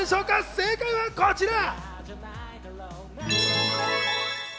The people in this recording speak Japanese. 正解はこちら。